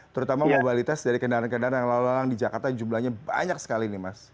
terutama mobilitas dari kendaraan kendaraan yang lalu lalang di jakarta jumlahnya banyak sekali nih mas